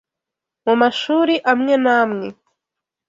Mu mashuri amwe n’amwe